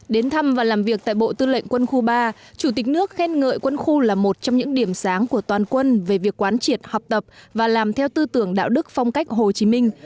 đến thăm và làm việc tại bộ tư lệnh quân khu ba chủ tịch nước khen ngợi quân khu là một trong những điểm sáng của toàn quân về việc quán triệt học tập và làm theo tư tưởng đạo đức phong cách hồ chí minh